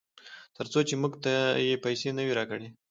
ترڅو چې موږ ته یې پیسې نه وي راکړې.